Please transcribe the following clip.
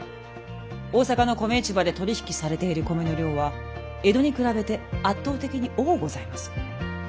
大坂の米市場で取り引きされている米の量は江戸に比べて圧倒的に多うございます。